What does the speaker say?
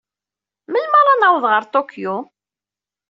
Melmi ara naweḍ ɣer Tokyo?